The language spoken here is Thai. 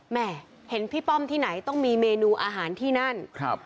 แม่เห็นพี่ป้อมที่ไหนต้องมีเมนูอาหารที่นั่นครับ